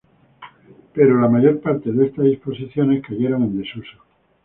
Pero la mayor parte de estas disposiciones cayeron en desuso.